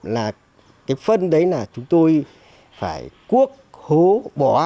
là cái phân đấy là chúng tôi phải cuốc hố bỏ